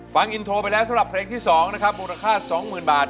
ฟังอินโทไปแล้วสำหรับเพลงที่สองบูรค่าสองหมื่นบาท